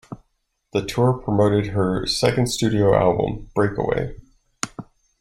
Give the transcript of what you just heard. The tour promoted her second studio album, "Breakaway".